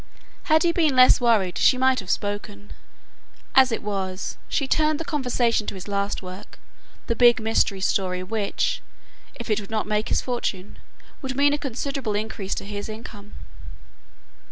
Had he been less worried she might have spoken. As it was, she turned the conversation to his last work, the big mystery story which, if it would not make his fortune, would mean a considerable increase to his income.